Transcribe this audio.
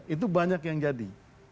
itu banyak yang jadi